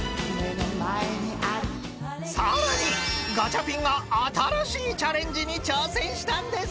［さらにガチャピンが新しいチャレンジに挑戦したんです］